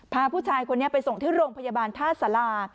พาผู้ชายคนนี้ไปส่งที่โรงพยาบาลท่าสารา